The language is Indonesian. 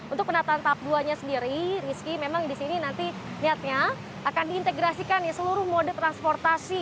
untuk penataan tahap dua nya sendiri rizky memang di sini nanti niatnya akan diintegrasikan seluruh mode transportasi